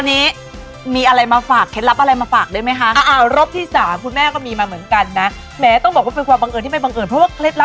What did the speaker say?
อ๋อเหรอดีมากคุณแม่ค่ะเทศเลิฟมาเสริมดวงแบบนี้นะคะอย่างนั้นอย่ารอช้าไปกันเลยในช่วงนี้ค่ะ